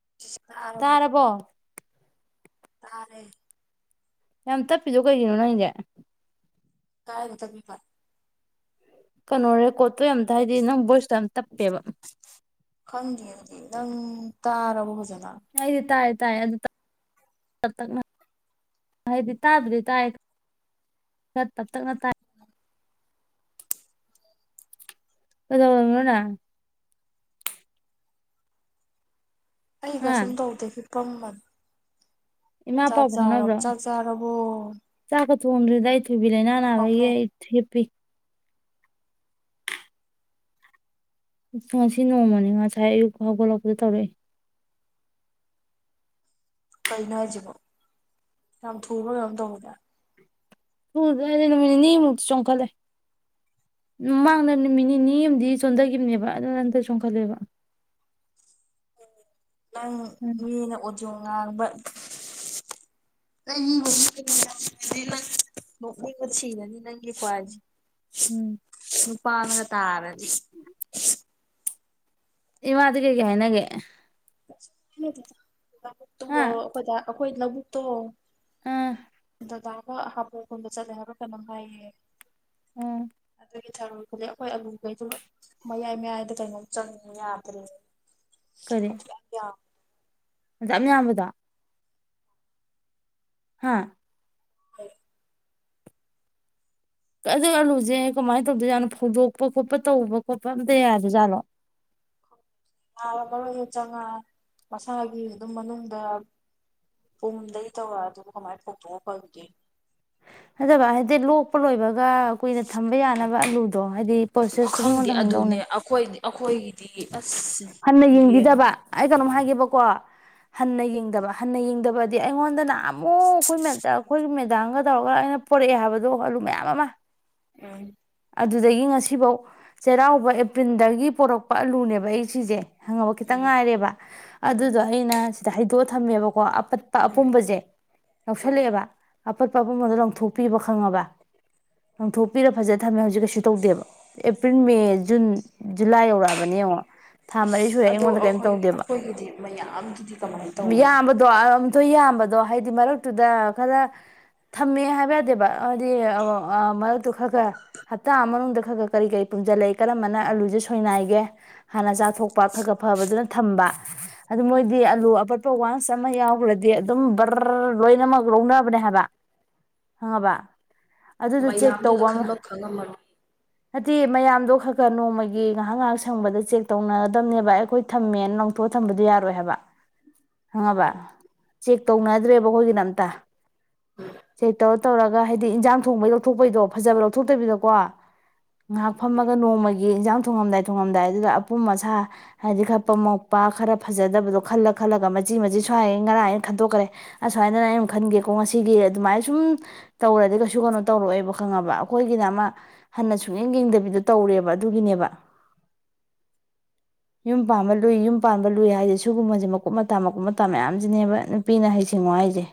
ꯑ ꯇꯥꯔꯕꯣ [inaudible] ꯇꯔꯦ ꯌꯥꯝ ꯇꯞꯄꯤꯗꯣ ꯀꯩꯒꯤꯅꯣ ꯅꯪꯁꯦ ꯀꯥꯏ ꯉ ꯇ ꯤ ꯐꯥꯏ ꯀꯩꯅꯣꯔꯦ ꯀꯣꯠꯄꯣ ꯑꯝꯇ ꯍꯥꯏꯗꯤ ꯅꯪ ꯚꯣꯏꯁꯇꯣ ꯇꯞꯄꯦꯕ ꯍꯥꯡ ꯅꯪ ꯇꯔꯥꯕꯒꯥ ꯍꯥꯏꯗꯤ ꯇꯥꯏꯦ ꯇꯥꯏ ꯑꯗꯨ ꯍꯥꯏꯗꯤ ꯇꯥꯕꯗꯤ ꯇꯥꯏ ꯇꯞ ꯇꯛꯅ ꯇꯥꯏ ꯑꯣꯗꯣ ꯑꯣꯏꯅ ꯍꯥ ꯑꯩꯒꯁꯨꯝ ꯇꯧꯗꯦꯁ ꯄꯝꯕꯟ ꯏꯃꯥ ꯄꯥꯎꯕ ꯐꯥꯎꯅꯕ꯭ꯔꯣ ꯆꯀ ꯊ ꯎꯣꯡꯟ꯭ꯔꯗꯥꯏꯕꯕꯤꯂꯦ ꯅꯥꯟꯋꯥꯒꯦ ꯐꯥꯎꯅꯩ ꯌꯦꯄꯤꯤ ꯑ ꯉꯁꯤ ꯅꯣꯡꯃꯅꯤ ꯉꯁꯥꯏ ꯑꯌꯨꯛ ꯍꯧꯒꯠꯂꯛꯄꯗ ꯇꯧꯔꯛꯑꯦ ꯀꯩꯅꯣ ꯍꯥꯏꯁꯤꯕꯣ ꯌꯥꯝ ꯊꯨꯕ ꯉꯩꯅꯝ ꯇꯧꯕꯗ ꯍ ꯑꯩꯅ ꯅꯨꯃꯤꯠ ꯅꯤꯅꯤꯃꯨꯛꯇ ꯆꯣꯡꯈꯠꯂꯦ ꯃꯃꯥꯡꯗ ꯅꯨꯃꯤꯠ ꯅꯤꯅꯤ ꯑꯃꯗꯤ ꯆꯣꯟꯊꯈꯤꯕꯅꯦꯕ ꯑꯗꯨꯅ ꯑꯝꯇ ꯆꯣꯡꯈꯠꯂꯦꯕ [unintelligible] [inaudible] ꯅꯪ ꯎꯝ ꯃꯤꯅ ꯑꯣꯗꯤ ꯉꯥꯡꯕ ꯅ ꯅ ꯈꯨꯁꯤ ꯀꯅꯤ ꯅ ꯅꯨꯄꯥ ꯎꯝ ꯑꯃꯒ ꯇꯥꯔꯗꯤ ꯏꯃꯥꯗꯤ ꯀꯩꯀꯩ ꯍꯥꯏꯅꯒꯦ ꯣꯏ ꯑꯩꯈꯣꯏ ꯂꯨꯛꯛꯇ ꯑ ꯗꯗꯥꯒ ꯍꯥꯕꯣꯛꯀꯨꯝꯕ ꯆꯠꯂꯦ ꯍꯥꯏꯔ ꯀꯩꯅꯣꯝ ꯍꯥꯏꯌꯦ ꯑꯣ ꯊꯔꯗꯤ ꯑꯩꯈꯣꯏ ꯑꯂꯨꯈꯩꯗꯣꯏ ꯃꯌꯥꯏ ꯃꯌꯥꯏꯗ ꯀꯩꯅꯣꯝ ꯆꯪ ꯌꯥꯗ꯭ꯔꯦ ꯀꯔꯦ [unintelligible] ꯌꯥꯝꯕꯗꯣ ꯍꯥꯥ [unintelligible] ꯑꯗꯨ ꯑꯂꯨꯁꯦ ꯀꯃꯥꯏꯅ ꯇꯧꯗꯣꯏꯖꯥꯠꯅꯣ ꯐꯧꯗꯣꯛꯄ ꯈꯣꯠꯄ ꯇꯧꯕ ꯈꯣꯠꯄ ꯑꯝꯇ ꯌꯥꯏꯗꯖꯥꯠꯂꯣ [unintelligible] ꯂꯥꯕ ꯃꯔꯣꯏ ꯑꯣꯏꯅ ꯆꯪꯉꯥ ꯃꯁꯥꯒꯤ ꯑꯗꯨꯝ ꯃꯅꯨꯡꯗ ꯄꯨꯡꯗꯒꯤ ꯇꯧꯔꯛ ꯑꯗꯨꯕꯨ ꯀꯃꯥꯏꯅ ꯐꯇꯑꯣ ꯐꯪꯒꯦ ꯐꯖꯕ ꯍꯥꯏꯗꯤ ꯂꯣꯛꯄ ꯂꯣꯏꯕꯒ ꯀꯨꯏꯅ ꯊꯝꯕ ꯌꯥꯅꯕ ꯑꯂꯨ ꯣ ꯍꯥꯏꯗꯤ ꯄ꯭ꯔꯣꯁꯦꯁꯇꯣ ꯃꯤꯉꯣꯟꯗ ꯍꯪꯗꯧꯅꯦ ꯑꯩꯈꯣꯏꯒꯤ ꯍꯟꯅ ꯌꯦꯡꯕꯤꯗꯕ ꯑꯩ ꯀꯩꯅꯣꯝ ꯍꯥꯏ ꯕꯀꯣ ꯍꯟꯅ ꯌꯦꯡꯗꯕ ꯍꯟꯅ ꯌꯦꯡꯗꯕꯗꯤ ꯑꯩꯉꯣꯟꯗꯅ ꯑꯃꯨꯛ ꯑꯩꯈꯣꯏ ꯑꯩꯈꯣꯏ ꯃꯦꯗꯥꯝꯒ ꯇꯧꯔꯒ ꯑꯩꯅ ꯄꯣꯔꯛꯑꯦ ꯍꯥꯏꯕꯗꯣ ꯑꯂꯨ ꯃꯌꯥꯝ ꯑꯃ ꯎꯝ ꯑꯗꯨꯗꯒꯤ ꯉꯁꯤꯐꯧ ꯆꯩꯔꯥꯎꯕ ꯑꯦꯄ꯭ꯔꯤꯜꯗꯒꯤ ꯄꯣꯔꯛꯄ ꯑꯂꯨꯅꯦꯕ ꯑꯩ ꯁꯤꯁꯦ ꯍꯪꯉꯕ ꯈꯤꯇꯪ ꯎꯝ ꯉꯥꯏꯔꯦꯕ ꯎꯝ ꯑꯗꯨꯗꯣ ꯑꯩꯅ ꯁꯤꯗ ꯍꯥꯏꯩꯗꯣꯛꯑ ꯊꯝꯃꯦꯕꯀꯣ ꯑꯄꯠꯄ ꯑꯄꯨꯝꯕꯁꯦ ꯌꯥꯎꯁꯜꯂꯛꯑꯦꯕ ꯑꯄꯠꯄ ꯑꯄꯨꯝꯕꯗꯣ ꯂꯧꯪꯊꯣꯛꯄꯤꯕ ꯈꯪꯉꯕ ꯂꯣꯡꯊꯣꯛꯄꯤꯔ ꯐꯖ ꯊꯝꯃꯦ ꯍꯧꯖꯤꯛ ꯀꯩꯁꯨ ꯇꯧꯗꯦꯕ ꯑꯦꯄ꯭ꯔꯤꯜ ꯃꯦ ꯖꯨꯟ ꯖꯨꯂꯥꯏ ꯌꯧꯔꯛꯑꯕ ꯕꯅꯤ ꯋꯥ ꯑꯁ ꯑꯗꯣ ꯑꯩꯈꯣꯏ ꯑꯩꯈꯣꯏꯒꯤꯗꯤ ꯃꯌꯥꯝꯒꯤꯗꯤ ꯀꯃꯥꯏꯅ ꯇꯧꯕꯅꯤ ꯑꯣ ꯌꯥꯝꯕꯗꯣ ꯍꯥꯏꯗꯤ ꯃꯔꯛꯇꯨꯗ ꯈꯔ ꯊꯝꯃꯦ ꯍꯥꯏꯕ ꯌꯥꯗꯦꯕ ꯍꯥꯏꯗꯤ ꯃꯔꯛꯇꯨ ꯈꯔ ꯈꯔ ꯍꯞꯇꯥ ꯃꯅꯨꯡꯗ ꯈꯔ ꯈꯔ ꯀꯔꯤ ꯀꯔꯤ ꯐꯨꯝꯖꯜꯂꯛꯏ ꯀꯔꯝꯕꯅ ꯑꯂꯨꯁꯦ ꯁꯣꯏꯅꯥꯏꯒꯦ ꯍꯥꯟꯅ ꯆꯥꯊꯣꯛꯄ ꯈ ꯈ ꯐꯕꯗꯨꯅ ꯊꯝꯕ ꯑꯗꯨ ꯃꯣꯏꯗꯤ ꯑꯂꯨ ꯑꯄꯠꯄ ꯋꯥꯟꯁ ꯑꯃ ꯌꯥꯎꯈ꯭ꯔꯗꯤ ꯑꯗꯨꯝ ꯕꯔ ꯂꯣꯏꯅꯃꯛ ꯂꯧꯅꯕꯅꯦ ꯍꯥꯏꯕ ꯈꯪꯉꯕ ꯑꯗꯨꯗ ꯆꯦꯛ ꯃꯌꯥꯝꯗꯨꯗ ꯇꯧꯕ ꯑꯃ ꯈꯟꯕ ꯈꯪꯉꯝꯃꯔꯣꯏ ꯅꯠꯇꯦ ꯃꯌꯥꯝꯗꯣ ꯈꯔ ꯈꯔ ꯅꯣꯡꯃꯒꯤ ꯉꯥꯏꯍꯥꯛ ꯉꯥꯏꯍꯥꯛ ꯁꯪꯕꯗ ꯆꯦꯛ ꯇꯧꯅꯒꯗꯕꯅꯦꯕ ꯑꯩ ꯑꯩꯈꯣꯏ ꯊꯝꯃꯦꯅ ꯅꯪꯊꯣꯛꯑ ꯊꯝꯕꯗꯨꯣ ꯌꯥꯔꯣꯏ ꯍꯥꯏꯕ ꯈꯪꯉꯕ ꯆꯦꯛ ꯇꯧꯅꯗ꯭ꯔꯦꯕ ꯑꯩꯈꯣꯏꯒꯤꯅ ꯑꯝꯇ ꯁꯦꯛ ꯇꯧꯔ ꯇꯧꯔꯒ ꯍꯥꯏꯗꯤ ꯏꯟꯖꯥꯡ ꯊꯣꯡꯕꯩ ꯂꯧꯊꯣꯛꯄꯩꯗꯣ ꯐꯖꯕ ꯂꯧꯊꯣꯛꯇꯕꯤꯗꯀꯣ ꯉꯥꯏꯍꯥꯛ ꯐꯝꯃꯒ ꯅꯣꯡꯃꯒꯤ ꯏꯟꯖꯥꯡ ꯊꯣꯡꯉꯝꯗꯥꯏ ꯊꯣꯡꯉꯝꯗꯥꯏ ꯑꯗꯨꯒꯗ ꯑꯄꯨꯝ ꯑꯁꯥ ꯍꯥꯏꯗꯤ ꯈꯠꯄ ꯃꯣꯛꯄ ꯈꯔ ꯐꯖꯗꯕꯗꯣ ꯈꯜꯂ ꯈꯜꯂꯒ ꯃꯆꯤ ꯃꯆꯤ ꯁꯨꯋꯥꯏ ꯉꯔꯥꯡ ꯑꯌꯦꯅ ꯈꯟꯗꯣꯛꯈ꯭ꯔꯦ ꯑꯁꯨꯃꯥꯏꯗꯅ ꯑꯩꯝ ꯈꯟꯒꯦꯀꯣ ꯉꯁꯤꯒꯤ ꯑꯗꯨꯃꯥꯏꯅ ꯁꯨꯝ ꯇꯧꯔꯗꯤ ꯀꯩꯁꯨ ꯀꯩꯅꯣ ꯇꯧꯔꯑꯣꯑꯕ ꯈꯪꯉꯕ ꯑꯩꯈꯣꯏꯒꯤꯅ ꯑꯃ ꯍꯟꯅ ꯁꯨꯡꯌꯦꯡ ꯌꯦꯡꯗꯕꯤꯗꯣ ꯇꯧꯔꯦꯕ ꯑꯗꯨꯒꯤꯅꯦꯕ [unintelligible] ꯌꯨꯝ ꯄꯥꯟꯕ ꯂꯨꯏ ꯌꯨꯝ ꯄꯥꯟꯕ ꯂꯨꯏ ꯍꯥꯏꯗꯤ ꯁꯤꯨꯒꯨꯝꯕꯁꯦ ꯃꯀꯨꯞ ꯃꯇꯥ ꯃꯀꯨꯞ ꯃꯇꯥ ꯃꯌꯥꯝꯁꯤꯅꯦꯕ ꯅꯨꯄꯤꯅ ꯍꯩꯁꯤꯡꯉꯣ ꯍꯥꯏ ꯍꯥꯏꯥꯏꯖꯦ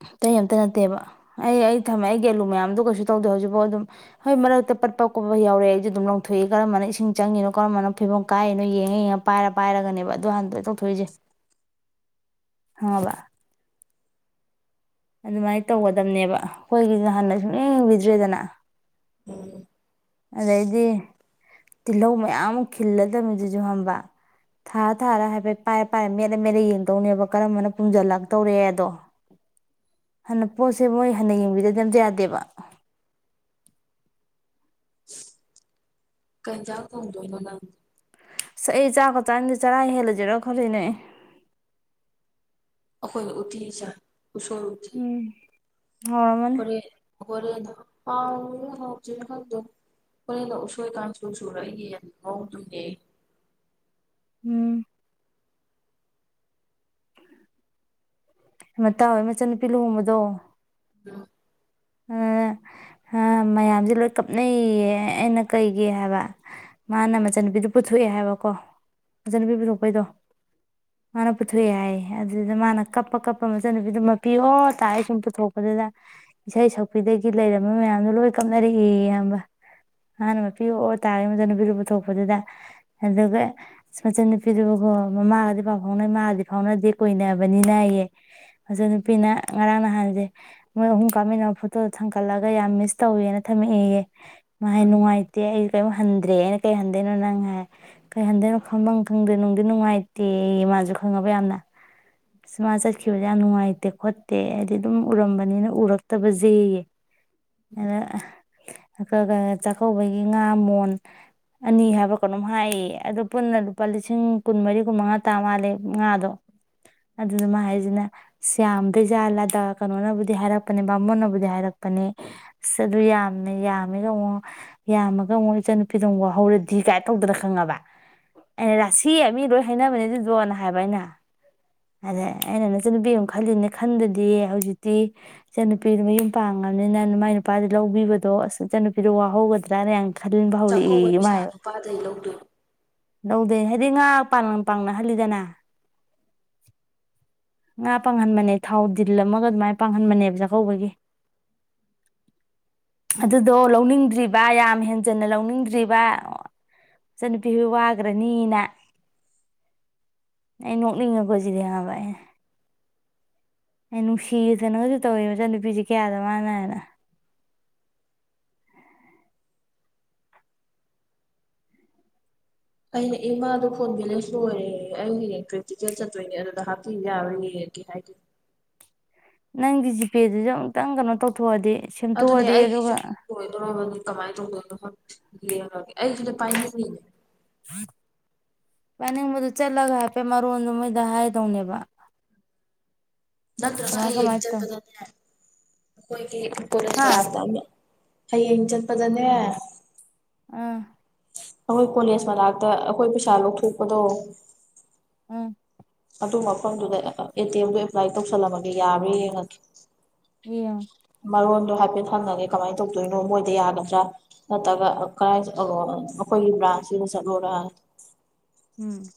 ꯀꯇꯩ ꯑꯃꯝꯇ ꯅꯠꯇꯦꯕ ꯑꯩ ꯑꯩ ꯊꯝꯃꯛ ꯑꯩ ꯒꯦꯂꯨ ꯃꯌꯥꯝꯗꯣ ꯀꯩꯁꯨ ꯇꯧꯗꯦ ꯍꯧꯖꯤꯛꯐꯥꯎ ꯑꯗꯨꯝ ꯍꯣꯏ ꯃꯔꯛꯇ ꯇꯀꯍꯤꯌꯥꯎꯔꯦ ꯑꯗꯨꯝ ꯂꯧꯊꯣꯛꯏ ꯀꯔꯝꯕꯅ ꯏꯁꯤꯡ ꯆꯪꯉꯅꯣ ꯀꯔꯝꯕꯅ ꯐꯤꯕꯝ ꯀꯥꯏꯔꯤꯅꯣ ꯌꯦꯡꯉ ꯌꯦꯉ ꯄꯥꯏꯔ ꯄꯥꯏꯔꯒꯅꯦꯕ ꯑꯗꯨꯣ ꯍꯥꯟꯅꯗꯣꯏ ꯇꯧꯊꯣꯛꯏꯁꯦ ꯈꯡ ꯉꯥꯕꯥ ꯑꯗꯨꯃꯥꯏꯅ ꯇꯧꯒꯗꯝꯕꯅꯦꯕ ꯑꯩꯈꯣꯏꯒꯤꯁꯨ ꯍꯥꯟꯅ ꯁꯨꯡ ꯌꯦꯡ ꯌꯦꯡꯕꯤꯗ꯭ꯔꯦꯗꯅ ꯑꯝ ꯑꯗꯩꯗꯤ ꯇꯤꯜꯂꯧ ꯃꯌꯥꯝ ꯑꯃ ꯈꯤꯜꯂꯗꯕꯃꯤꯗꯨꯁꯨ ꯍꯝꯕ ꯊꯥꯔ ꯊꯥꯔ ꯍꯥꯏꯐꯦꯠ ꯄꯥꯏꯔ ꯄꯥꯏꯔ ꯃꯦꯠꯂ ꯃꯦꯠꯂ ꯌꯦꯡꯗꯧꯅꯦꯕ ꯀꯔꯝꯕꯅ ꯄꯨꯨꯝꯁꯤꯜꯂꯛ ꯇꯧꯔꯦꯗꯣ꯫ [inaudible] ꯍꯥꯟꯅ ꯄꯣꯠꯁꯦ ꯃꯣꯏ ꯍꯟꯅ ꯌꯦꯡꯕꯤꯗꯗꯤ ꯑꯝꯇ ꯌꯥꯗꯦꯕ꯫ ꯀꯩ ꯏꯁꯥꯡ ꯊꯣꯡꯗꯣꯏꯅꯣ ꯅꯪ꯫ ꯑꯁ ꯑꯩ ꯆꯥꯛꯀ ꯆꯥꯅꯤꯗꯦ ꯆꯔꯥ ꯍꯦꯜꯂꯖꯤꯔ ꯈꯜꯂꯤꯅꯦ꯫ ꯑꯩꯈꯣꯏ ꯎꯠꯇꯤ ꯆꯥꯏ ꯎꯁꯣꯏ ꯎꯇꯤ ꯎꯝ ꯍꯧꯔꯝꯃꯅꯤ ꯍꯣꯔꯦꯟ ꯍꯣꯔꯦꯟꯅ꯫ ꯍꯥꯎꯔꯤꯔ ꯍꯥꯎꯇꯔꯤꯔ ꯈꯪꯗꯦꯗ꯫ ꯍꯣꯔꯦꯟꯗꯣ ꯎꯁꯣꯏ ꯀꯥꯡꯁꯨ ꯁꯨꯔꯛꯏꯒꯦ ꯌꯦꯟꯗꯣ ꯉꯧꯗꯣꯏꯅꯦ꯫ ꯎꯝ꯫ ꯃꯇꯥꯎ ꯍꯣꯏ ꯃꯆꯟꯅꯨꯄꯤ ꯂꯨꯍꯣꯡꯕꯗꯣ꯫ [unintelligible] ꯑ ꯃꯌꯥꯝꯁꯦ ꯂꯣꯏ ꯀꯥꯞꯅꯩꯌꯦ ꯑꯩꯅ ꯀꯩꯒꯤ ꯍꯥꯏꯕ꯫ ꯃꯥꯅ ꯃꯆꯥꯟꯅꯨꯄꯤꯗꯨ ꯄꯨꯊꯣꯛꯑꯦ ꯍꯥꯏꯕꯀꯣ ꯃꯆꯟꯅꯨꯄꯤ ꯄꯨꯊꯣꯛꯄꯩꯗꯣ꯫ ꯃꯥꯅ ꯄꯨꯊꯣꯛꯑꯦ ꯍꯥꯏꯌꯦ ꯑꯗꯨꯗ ꯃꯥꯅ ꯀꯞꯄ ꯀꯞꯄ ꯃꯆꯟꯅꯨꯄꯤꯗꯨꯣ ꯃꯄꯤ ꯑꯣꯔ ꯇꯥꯏꯑꯦ ꯁꯨꯝ ꯄꯨꯊꯣꯛꯄꯗ ꯑꯗꯨꯅ ꯏꯁꯩ ꯁꯛꯄꯤꯗꯒꯤ ꯂꯩꯔꯝꯕ ꯃꯌꯥꯝꯗꯣ ꯂꯣꯏ ꯀꯞꯅꯔꯛꯏ ꯏꯌꯥꯝꯕ꯫ ꯃꯥꯟꯅ ꯃꯄꯤ ꯑꯣ ꯇꯥꯔꯦ ꯃꯆꯟꯅꯨꯄꯤꯗꯨ ꯄꯨꯊꯣꯛꯄꯗꯨꯗ ꯑꯗꯨꯒ ꯑꯁ ꯃꯆꯟꯅꯨꯄꯤꯗꯨ ꯑꯣ ꯃꯃꯥꯒꯗꯤ ꯄꯥꯎ ꯐꯥꯎꯅꯩ ꯃꯥꯒꯗꯤ ꯐꯥꯎꯅꯗꯦ ꯀꯣꯏꯅꯕꯅꯤꯅ ꯑꯌꯦ ꯃꯆꯟꯅꯨꯄꯤꯅ ꯉꯔꯥꯡ ꯅ ꯅꯍꯥꯟꯖꯦ ꯃꯣꯏ ꯑꯍꯨꯝ ꯄꯥꯃꯤꯟꯅꯕ ꯐꯣꯇꯣ ꯊꯥꯡꯒꯠꯂꯒ ꯌꯥꯝ ꯃꯤꯁ ꯇꯧꯋꯦꯅ ꯊꯝꯃꯛꯑꯦꯌꯦ ꯃꯥ ꯎꯝ ꯅꯨꯡꯉꯥꯏꯇꯦ ꯑꯩ ꯀꯩꯝ ꯍꯟꯗ꯭ꯔꯦꯑꯦ ꯑꯩꯅ ꯀꯩ ꯍꯟꯗꯣꯏꯅꯣ ꯅꯪ ꯍꯥꯏ ꯀꯩ ꯍꯟꯗꯣꯏꯅꯣ ꯈꯪꯐꯝ ꯈꯪꯗꯦ ꯅꯨꯡꯗꯤ ꯅꯨꯡꯉꯥꯏꯇꯦꯌꯦ [unintelligible] ꯈꯪꯉꯕ ꯌꯥꯝꯅ꯫ ꯑꯁ ꯃꯥ ꯆꯠꯈꯤꯕꯁꯦ ꯌꯥꯝ ꯅꯨꯡꯉꯥꯏꯇꯦ ꯈꯣꯠꯇꯦ ꯍꯥꯏꯗꯤ ꯑꯗꯨꯝ ꯎꯔꯝꯕꯅꯤꯅ ꯎꯔꯛ ꯇꯕꯖꯦ꯫ ꯑꯗ ꯆꯥꯛꯀꯧꯕꯒꯤ ꯉꯥ ꯃꯣꯟ ꯑꯅꯤ ꯍꯥꯏꯕ꯭ꯔꯥ ꯀꯩꯅꯣꯝ ꯍꯥꯏꯔꯤꯌꯦ ꯑꯗꯣ ꯄꯨꯟꯅ ꯂꯨꯄꯥ ꯂꯤꯁꯤꯡ ꯀꯨꯟꯃꯔꯤ ꯀꯨꯟꯃꯉꯥ ꯇꯥ ꯃꯥꯜꯂꯦ ꯉꯥꯗꯣ꯫ ꯑꯗꯨꯗ ꯃꯥ ꯍꯥꯏꯁꯤꯅ ꯏꯁ ꯌꯥꯝꯗꯣꯏꯖꯥꯠꯂꯥꯗ ꯀꯩꯅꯣꯅꯕꯨꯗꯤ ꯍꯥꯏꯔꯛ ꯅꯦ ꯕꯥꯃꯣꯟꯅꯕꯨꯗꯤ ꯍꯥꯏꯔꯛꯄꯅꯦ꯫ ꯑꯁ ꯑꯗꯨ ꯌꯥꯝꯃꯦ ꯌꯥꯝꯃꯦꯒ ꯑꯃꯨꯛ ꯌꯥꯝꯃꯒ ꯑꯃꯨꯛ ꯏꯆꯟ ꯅꯨꯄꯤꯗꯣ ꯑꯃꯨꯛ ꯋꯥꯍꯧꯔꯗꯤ ꯀꯥꯏꯅ ꯇꯧꯗꯅ ꯈꯪꯉꯕ ꯑꯩꯅꯥ ꯔꯥꯁꯤ ꯃꯤ ꯂꯣꯏ ꯍꯥꯏꯅꯕꯅꯦ ꯑꯗꯨꯏꯗꯣ ꯅ ꯍꯥꯏꯕ ꯑꯩꯅ꯫ ꯑꯗ ꯑꯩꯅ ꯅꯆꯟꯅꯨꯄꯤ ꯑꯃꯨꯛ ꯈꯜꯂꯤꯝꯅꯦ ꯈꯟꯗꯗꯤ ꯍꯧꯖꯤꯛꯇꯤ꯫ ꯏꯆꯟꯅꯨꯄꯤꯗꯨ ꯃꯌꯨꯝ ꯄꯥꯡꯒꯔꯕꯅꯤꯅ ꯃꯥꯏ ꯅꯨꯄꯥꯗꯩ ꯂꯧꯕꯤꯕꯗꯣ ꯑꯁ ꯏꯆꯟꯅꯨꯄꯤꯗꯣ ꯋꯥꯍꯧꯒꯗ꯭ꯔꯥꯅ ꯌꯝ ꯈꯟꯕ ꯆꯥꯛꯀꯧꯕꯩ ꯍꯧꯔꯛꯑꯦꯌꯦ ꯄꯩꯁꯥ ꯃꯥꯥꯏ ꯍꯥꯏꯕ꯫ ꯅꯨꯄꯥꯗꯩ ꯂꯧꯗꯣꯏꯕ ꯂꯧꯗꯦ ꯍꯥꯏꯗꯤ ꯉꯥ ꯄꯥꯡ ꯄꯥꯡꯅꯍꯜꯂꯤꯗꯅ꯫ ꯉꯥ ꯄꯥꯡꯍꯟꯕꯅꯦ ꯊꯥꯎ ꯗꯤꯜ ꯑꯃꯒ ꯑꯗꯨꯃꯥꯏꯅ ꯄꯥꯡꯍꯟꯕꯅꯦ꯫ ꯆꯥꯛꯀꯧꯕꯒꯤ꯫ ꯑꯗꯨꯗꯣ ꯂꯧꯅꯤꯡꯗ꯭ꯔꯤꯕ ꯌꯥꯝ ꯍꯦꯟꯖꯟꯅ ꯂꯧꯅꯤꯡꯗ꯭ꯔꯤꯕ꯫ ꯃꯆꯟꯅꯨꯄꯤꯍꯣꯏ ꯋꯥꯒꯔꯅꯤꯅ꯫ ꯑ ꯅꯠꯂꯤ ꯑꯒꯣꯏꯁꯤꯗꯦ ꯍꯥꯏꯚꯥꯏ ꯑꯩ ꯅꯨꯡꯁꯤꯗꯅꯁꯨ ꯇꯧꯋꯦ ꯃꯆꯟꯅꯨꯨꯄꯤꯁꯦ ꯀꯌꯥꯗ ꯃꯥꯅ ꯍꯥꯏꯅ꯫ [inaudible] ꯑꯩꯅ ꯏꯃꯥꯗꯣ ꯐꯣꯟ ꯕꯦꯂꯦꯁ ꯂꯣꯏꯔꯦ ꯑꯩ ꯍꯌꯦꯡ ꯄꯔꯦꯛꯇꯤꯀꯦꯜ ꯆꯠꯇꯣꯏꯅꯦ ꯑꯗꯨꯗ ꯍꯥꯞꯄꯤꯕ ꯌꯥꯔꯣꯏꯌꯦ꯫ ꯒꯤ ꯍꯥꯏꯒꯤ ꯅꯪꯒꯤ ꯖꯤꯄꯦꯗꯨꯁꯨ ꯑꯃꯨꯛꯇꯪ ꯀꯩꯅꯣ ꯇꯧꯊꯣꯛꯑꯗꯤ ꯑꯗꯨꯅꯦ ꯁꯦꯝꯇꯣꯛꯑꯗꯤ ꯑꯩꯒꯤꯁꯨ ꯑꯗꯨꯒ ꯑꯃꯨꯛ ꯂꯣꯏꯗꯣꯔꯕꯅꯤ꯫ ꯀꯃꯥꯏꯅ ꯇꯧꯗꯣꯏꯅꯣ ꯈꯪꯗꯦ ꯌꯦꯡꯉꯒꯦ ꯑꯩꯁꯨꯅꯦ ꯄꯥꯏꯅꯤꯡꯉꯤꯅꯤ꯫ ꯄꯥꯅꯤꯡꯕꯗꯨ ꯆꯠꯂꯒ ꯍꯥꯏꯐꯦꯠ ꯃꯔꯣꯟꯗꯨ ꯃꯣꯏꯗ ꯍꯥꯏꯗꯧꯅꯦꯕ꯫ ꯅꯠꯇ꯭ꯔꯒ ꯀꯃꯥꯏ ꯍꯌꯦꯡ ꯀꯃꯥꯏ ꯇꯧ ꯆꯠꯄꯗꯅꯦ ꯃꯣꯏꯒꯤ ꯍꯥ ꯀꯣꯂꯦꯁ꯫ [unintelligible] ꯍꯥꯌꯦꯡ ꯆꯠꯄꯗꯅꯦ꯫ ꯑꯥ꯫ ꯑꯩꯈꯣꯏ ꯀꯣꯂꯦꯁ ꯃꯅꯥꯛꯇ ꯑꯩꯈꯣꯏ ꯄꯩꯁꯥ ꯂꯧꯊꯣꯛꯄꯗꯣ꯫ ꯑꯥ ꯑꯗꯨ ꯃꯐꯝꯗꯨꯗ ꯑꯦ ꯇꯤ ꯑꯦꯝꯗ ꯑꯦꯄ꯭ꯂꯥꯏ ꯇꯧꯁꯜꯂꯝꯃꯒꯦ ꯌꯥꯕꯥꯔ ꯌꯦꯡꯉꯒꯦ ꯌꯦꯡꯉꯣ ꯃꯔꯣꯟꯗꯣ ꯍꯥꯏꯐꯦꯠ ꯍꯪꯉꯒꯦ ꯀꯃꯥꯏꯅ ꯇꯧꯗꯣꯏꯅꯣ ꯃꯣꯏꯗ ꯌꯥꯒꯗ꯭ꯔꯥ ꯅꯠꯇ꯭ꯔꯒ ꯀꯕꯥꯏꯅ ꯆꯠꯂꯣꯅꯣ ꯕ꯭ꯔꯥꯟꯁ ꯁꯤꯗ ꯆꯠꯂꯣꯔꯅ ꯎꯝ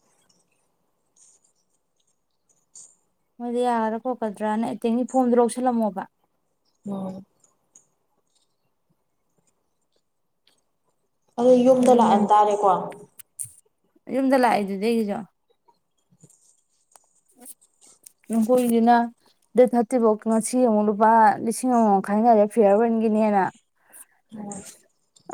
ꯃꯣꯏꯗꯤ ꯌꯥꯒꯗ꯭ꯔꯥ ꯈꯣꯠꯀꯗ꯭ꯔꯥꯅ ꯑꯦꯇꯦꯡꯒꯤ ꯐꯣꯝꯗꯣ ꯂꯧꯁꯤꯜꯂꯝꯃꯣꯕ ꯎꯝ ꯑꯗꯨ ꯌꯨꯝꯗ ꯑꯗꯨꯝ ꯂꯥꯛꯑꯟꯇꯥꯥꯔꯦꯀꯣ ꯌꯨꯝꯗ ꯂꯥꯛꯏꯗꯨꯗꯤ ꯑꯩꯒꯤꯁꯨ ꯎ ꯍꯣꯏꯗꯅ ꯗꯦꯠ ꯊꯥꯔꯇꯤꯐꯥꯎ ꯉꯁꯤ ꯑꯃꯨꯛ ꯂꯨꯄꯥ ꯂꯤꯁꯤꯡ ꯑꯃꯃꯨꯛ ꯈꯥꯏꯅꯔꯦ ꯐꯤꯌꯥꯔꯋꯦꯟꯒꯤꯅꯦꯅ ꯑꯣ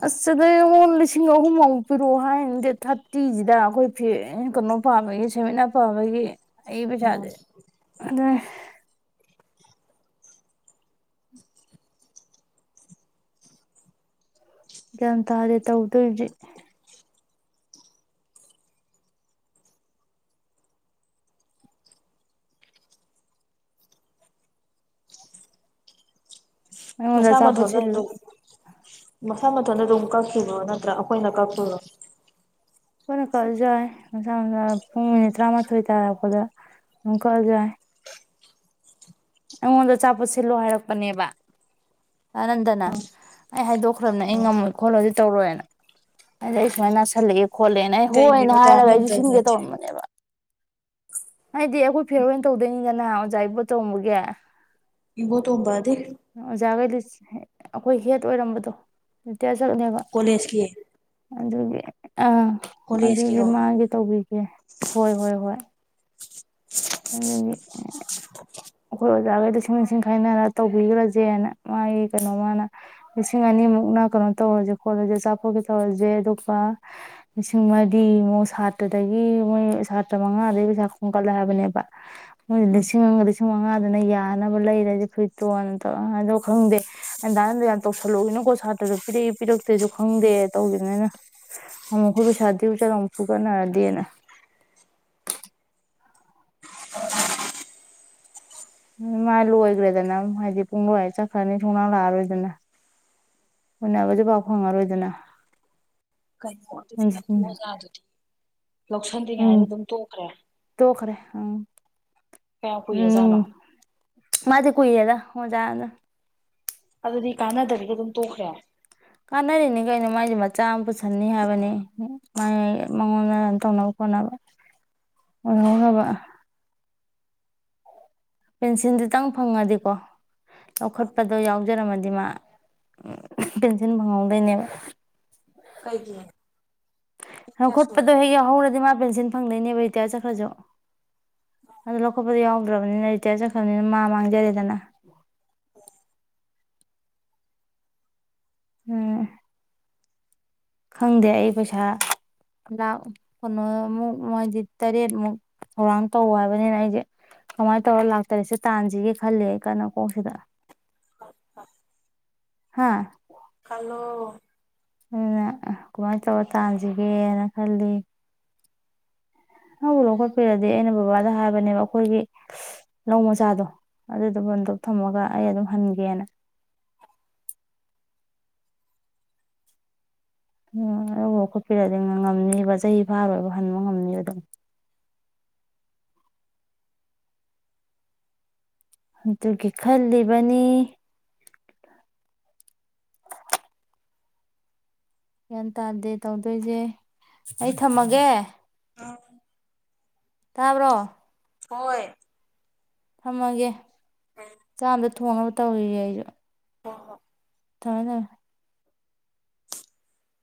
ꯑꯁ ꯁꯤꯗ ꯑꯩꯉꯣꯟ ꯂꯤꯁꯤꯡ ꯑꯍꯨꯝꯃꯨꯛ ꯄꯤꯔꯛꯑꯣ ꯍꯥꯏꯔꯅꯤ ꯗꯦꯠ ꯊꯥꯔꯇꯤꯁꯤꯗ ꯑꯩꯈꯣꯏ ꯐꯤ ꯀꯩꯅꯣ ꯄꯥꯝꯕꯒꯤ ꯁꯦꯟꯃꯤꯠꯅ ꯄꯥꯝꯕꯒꯤ ꯑꯩꯒꯤ ꯎꯝ ꯄꯩꯁꯥꯁꯦ ꯑꯗꯨ ꯒ꯭ꯌꯥꯟ ꯇꯥꯗꯦ ꯇꯧꯗꯣꯏꯖꯤ ꯑꯩꯉꯣꯟꯗ ꯃꯁꯥ ꯑꯆꯥꯄꯣꯠ ꯃꯠꯊꯣꯟꯗ ꯁꯤꯜꯂꯦ ꯑꯗꯨ ꯃꯁꯥ ꯃꯠ ꯅ ꯑꯗꯨꯝ ꯀꯛꯈꯤꯕꯔꯣ ꯅꯠꯇ꯭ꯔꯥ ꯑꯩꯈꯣꯏꯅ ꯀꯛꯇꯣꯏꯔꯣ ꯑꯈꯣꯏꯅ ꯀꯛꯑꯁꯨ ꯌꯥꯏ ꯃꯁꯥ ꯃꯁꯥꯅ ꯄꯨꯡ ꯃꯤꯅꯤꯠ ꯇ꯭ꯔꯥꯃꯥꯊꯣꯏ ꯇꯔꯛꯄꯗ ꯏꯣꯡ ꯀꯛꯑꯁꯨ ꯌꯥꯏ ꯑꯩꯉꯣꯟꯗ ꯑꯆꯥꯄꯣꯠ ꯁꯤꯜꯂꯣ ꯍꯥꯏꯔꯛꯄꯅꯦꯕ ꯑꯅꯟꯗꯅ ꯑꯩ ꯍꯥꯏꯗꯣꯛꯈ꯭ꯔꯕꯅꯦ ꯑꯩ ꯉꯝꯃꯣꯏ ꯈꯣꯠꯂꯣꯏ ꯑꯗꯨ ꯇꯧꯔꯣꯏꯅ ꯑꯗ ꯑꯩ ꯁꯨꯃꯥꯏꯅ ꯅꯥꯁꯤꯜꯂꯛꯑꯦ ꯈꯣꯠꯂꯦꯅ ꯑꯩ ꯍꯣꯏꯅ ꯀꯩꯒꯤꯅꯣ ꯍꯥꯏꯔꯒ ꯑꯩꯁꯨ ꯁꯤꯟꯒꯦ ꯇꯥꯟꯅꯗꯅꯗꯤ ꯇꯧꯔꯝꯕꯅꯦꯕ ꯍꯥꯏꯗꯤ ꯑꯩꯈꯣꯏ ꯐꯤꯌꯔꯋꯦꯟ ꯇꯧꯗꯣꯏꯅꯤꯗꯅ ꯑꯣꯖꯥ ꯏꯕꯨꯣꯇꯣꯝꯕꯒꯦ ꯏꯕꯣꯇꯣꯝꯕꯗꯤ ꯑꯩꯈꯣꯏ ꯍꯦꯠ ꯑꯣꯏꯔꯝꯕꯗꯣ ꯔꯤꯇꯌꯥꯔ ꯆꯠꯂꯝꯅꯦꯕ ꯑꯗꯨꯒꯤ ꯑꯥ ꯑꯗꯨꯒꯤ ꯃꯥꯒꯤ ꯇꯧꯕꯤꯒꯦ ꯍꯣꯏ ꯍꯣꯏ ꯍꯣꯏ ꯑꯗꯨꯒꯤ [inaudible] ꯑꯩꯈꯣꯏ ꯑꯣꯖꯥꯒꯩ ꯂꯤꯁꯤꯡ ꯂꯤꯁꯤꯡ ꯈꯥꯏꯅꯔ ꯇꯧꯕꯤꯒꯔꯁꯦꯅ ꯃꯥꯒꯤ ꯀꯩꯅꯣꯃꯅ ꯂꯤꯁꯤꯡ ꯑꯅꯤ ꯃꯨꯛꯅ ꯀꯩꯅꯣ ꯇꯧꯔꯁꯦ ꯈꯣꯠꯂꯁꯦ ꯑꯆꯥꯄꯣꯠꯀꯤ ꯇꯧꯔꯁꯦ ꯑꯗꯨꯒ ꯂꯤꯁꯤꯡ ꯃꯔꯤꯃꯨꯛ ꯁ ꯁꯥꯇ꯭ꯔꯗꯒꯤ ꯃꯣꯏꯕ ꯁꯥꯇ꯭ꯔ ꯃꯉꯥꯗꯩ ꯄꯩꯁꯥ ꯈꯣꯡꯒꯠꯂꯦ ꯍꯥꯏꯕꯅꯦꯕ ꯃꯣꯏ ꯂꯤꯁꯤꯡ ꯂꯤꯁꯤꯡ ꯄꯨꯡ ꯃꯉꯥꯗꯅ ꯌꯥꯅꯕ ꯂꯩꯔꯗꯤ ꯐꯨꯔꯤꯠꯇꯣꯅ ꯇ ꯑꯗꯣ ꯈꯪꯗꯦ ꯗꯥꯑꯟꯗ ꯌꯥꯝ ꯇꯧꯁꯜꯂꯨꯒꯤꯅꯣ ꯅꯪꯀꯣ ꯁꯥꯇ꯭ꯔꯗꯣ ꯄꯤꯔꯛꯏ ꯄꯤꯔꯛꯇꯦꯁꯨ ꯈꯪꯗꯦ ꯇꯧꯒꯤꯕꯅꯤ ꯑꯩꯅ ꯑꯃꯨꯛꯀ ꯄꯩꯁꯥ ꯗꯤꯎ ꯆꯠꯂ ꯑꯃꯨꯛ ꯐꯨꯒꯠꯅꯔꯗꯤꯅ ꯃꯥ ꯂꯣꯏꯈ꯭ꯔꯦꯗꯅ ꯍꯥꯏꯗꯤ ꯄꯨꯡ ꯂꯣꯏ ꯆꯠꯈ꯭ꯔꯅꯤ ꯁꯨꯡꯂꯥꯛ ꯂꯥꯛꯑꯔꯣꯏꯗꯅ ꯎꯅꯕꯁꯨ ꯄꯥꯎ ꯐꯪꯉꯔꯣꯏꯗꯅ ꯀꯩꯅꯣ ꯑꯗꯨꯗꯤ ꯑꯗꯨ ꯎꯝ ꯑꯣꯖꯥꯗꯨꯗꯤ ꯂꯧꯁꯟꯗꯔꯤꯉꯥꯏꯗ ꯑꯗꯨꯝ ꯇꯣꯛꯈ꯭ꯔꯦ ꯑꯪ ꯀꯥꯝ ꯀꯨꯏꯔꯖꯠꯅꯣ ꯃꯥꯗꯤ ꯀꯨꯏꯔꯦꯗ ꯑꯣꯖꯥꯅ ꯑꯗꯨꯗꯤ ꯀꯥꯟꯅꯗꯕꯤꯗ ꯑꯗꯨꯝ ꯇꯣꯛꯈ꯭ꯔꯦ ꯀꯥꯟꯅꯔꯤꯅꯤ ꯀꯩꯅꯣ ꯃꯥꯏꯁꯦ ꯃꯆꯥ ꯑꯃ ꯄꯨꯁꯟꯅꯤ ꯍꯥꯏꯕꯅꯤ ꯃꯥꯏ ꯃꯉꯣꯟꯗ ꯇꯧꯅꯕ ꯅꯡ ꯐꯡꯉꯧꯅꯕ ꯄꯦꯟꯁꯤꯜ ꯗꯨꯇꯪ ꯐꯪꯉꯗꯤꯀꯣ ꯂꯧꯈꯠꯄꯗꯣ ꯌꯥꯎꯖꯔꯝꯃꯗꯤ ꯃꯥ ꯄꯦꯟꯁꯤꯟ ꯐꯪꯍꯧꯗꯣꯏꯅꯦꯕ ꯀꯩꯒꯤ ꯀꯌꯥ ꯂꯧꯈꯠꯄꯗꯣ ꯁꯨꯔꯕ ꯍꯦꯛ ꯌꯥꯎꯍꯧꯔꯗꯤ ꯃꯥ ꯄꯦꯟꯁꯤꯟ ꯐꯪꯗꯣꯏꯅꯦꯕ ꯔꯤꯇꯌꯥꯔ ꯆꯠꯈ꯭ꯔꯁꯨ ꯑꯗꯨ ꯂꯧꯈꯠꯄꯗꯨ ꯌꯥꯎꯗ꯭ꯔꯕꯅꯤꯅ ꯔꯤꯇꯤꯌꯥ ꯆꯠꯈ꯭ꯔꯕꯅꯤꯅ ꯃꯥ ꯃꯥꯡꯖꯔꯦꯗꯅ [inaudible] ꯎꯝ ꯈꯪꯗꯦ ꯑꯩ ꯄꯩꯁꯥ ꯂꯥꯛ ꯀꯩꯅꯣꯃꯨꯛ ꯃꯣꯏꯗꯤ ꯇꯔꯦꯠꯃꯨꯛ ꯍꯧꯔꯥꯡ ꯇꯧ ꯍꯥꯏꯕꯅꯤꯅ ꯑꯩꯁꯦ ꯀꯃꯥꯏꯅ ꯇꯧꯔ ꯂꯥꯛꯇꯔꯤꯦꯁꯦ ꯇꯥꯟꯁꯤꯒꯦ ꯈꯂꯦ ꯑꯩ ꯀꯅꯀꯣꯡꯁꯤꯗ ꯍꯥꯥ [inaudible] ꯀꯜꯂꯣ ꯑꯗꯨꯩꯅ ꯀꯃꯥꯏꯅ ꯇꯧꯔ ꯇꯥꯟꯁꯤꯒꯦꯅ ꯈꯜꯂꯤ ꯍꯕꯨ ꯂꯧꯈꯠꯄꯤꯔꯗꯤ ꯑꯩꯅ ꯕꯕꯥꯗ ꯍꯥꯏꯕꯅꯦꯕ ꯑꯩꯈꯣꯏꯒꯤ ꯂꯧ ꯃꯆꯥꯗꯣ ꯑꯗꯨꯗꯨꯒꯗꯣꯛ ꯊꯝꯃꯒ ꯑꯩ ꯑꯗꯨꯝ ꯍꯟꯒꯦꯅ [unintelligible] [inaudible] ꯑꯣ ꯂꯧꯕ ꯈꯣꯠꯄꯤꯔꯛꯑꯗꯤ ꯉꯝꯅꯤꯕ ꯆꯍꯤ ꯐꯥꯕꯣꯏꯕ ꯍꯟꯕ ꯉꯝꯅꯦꯕ ꯑꯗꯨꯝ ꯑꯗꯨꯒꯤ ꯈꯜꯂꯤꯕꯅꯤ ꯒ꯭ꯌꯥꯟ ꯇꯥꯗꯦ ꯇꯧꯗꯣꯏꯁꯦ ꯑꯩ ꯊꯝꯃꯒꯦ ꯇꯥꯕ꯭ꯔꯣ ꯍꯣꯏ ꯊꯝꯃꯒꯦ ꯆꯥꯝꯗ ꯊꯣꯡꯅꯕ ꯇꯧꯔꯤꯌꯦꯦ ꯑꯩꯁꯨ ꯍ ꯍꯣ [inaudible] ꯊꯔ